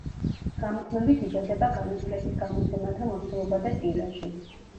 გამუდმებით იზრდება „განათლების“ გამოცემათა მოცულობა და ტირაჟი.